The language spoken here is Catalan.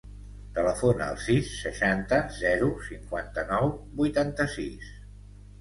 Telefona al sis, seixanta, zero, cinquanta-nou, vuitanta-sis.